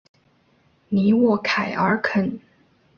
尼沃凯尔肯。